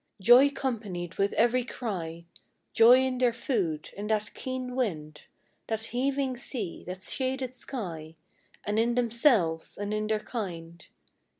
87 Joy companied with every cry, Joy in their food, in that keen wind, That heaving sea, that shaded sky, And in themselves, and in their kind.